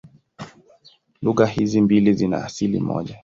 Lugha hizi mbili zina asili moja.